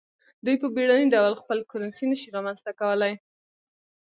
دوی په بیړني ډول خپله کرنسي نشي رامنځته کولای.